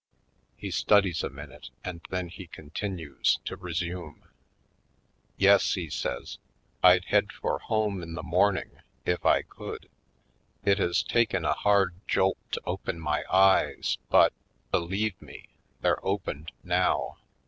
He studies a minute and then he con tinues to resume: "Yes," he says, "I'd head for home in the morning — if I could. It has taken a hard jolt to open my eyes but, believe me, they're opened now.